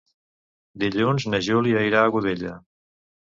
Dilluns na Júlia irà a Godella.